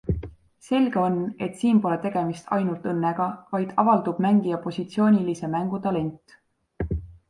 Selge on, et siin pole tegemist ainult õnnega, vaid avaldub mängija positsioonilise mängu talent.